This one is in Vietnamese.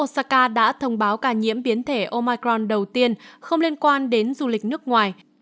saka đã thông báo ca nhiễm biến thể omicron đầu tiên không liên quan đến du lịch nước ngoài